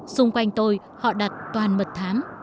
xung quanh tôi họ đặt toàn mật thám